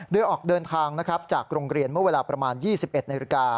โดยออกเดินทางจากโรงเรียนเมื่อเวลาประมาณ๒๑นาฬิกา